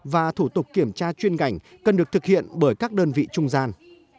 và thủ tục kiểm tra chuyên ngành cần được thực hiện bởi các đơn vị trung gian